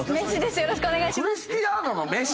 よろしくお願いします。